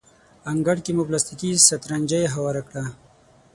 انګړ کې مو پلاستیکي سترنجۍ هواره کړه.